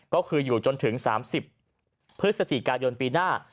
ก็คืออยู่จนถึง๓๐พฤศจิกายนปีหน้า